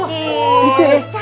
wah gitu ya